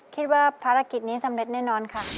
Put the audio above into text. คิดว่าภารกิจนี้สำเร็จแน่นอนค่ะ